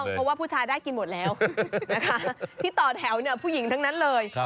เพราะว่าผู้ชายได้กินหมดแล้วนะคะที่ต่อแถวเนี่ยผู้หญิงทั้งนั้นเลย